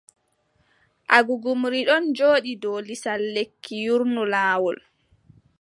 Agugumri ɗon jooɗi dow lisal lekki yuurno laawol.